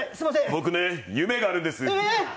僕ね、夢があるんです。